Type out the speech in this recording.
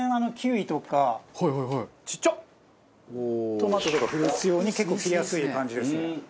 トマトとかフルーツ用に結構切りやすい感じですね。